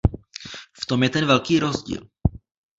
V tom je ten velký rozdíl.